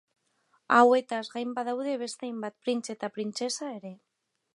Hauetaz gain badaude beste hainbat printze eta printzesa ere.